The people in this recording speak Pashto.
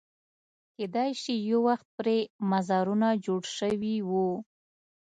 کېدای شي یو وخت پرې مزارونه جوړ شوي وو.